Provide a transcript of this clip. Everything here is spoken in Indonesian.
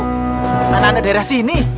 gimana anak daerah sini